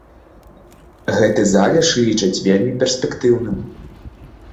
Гэты залеж лічаць вельмі перспектыўным.